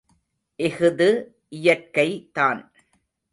இஃது இயற்கை தான்.